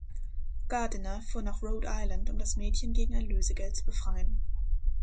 Gardiner fuhr nach Rhode Island, um das Mädchen gegen ein Lösegeld zu befreien.